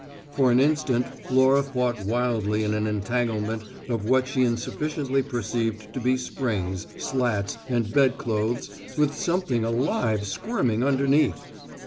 For an instant, Laura fought wildly in an entanglement of what she insufficiently perceived to be springs, slats and bedclothes with something alive squirming underneath.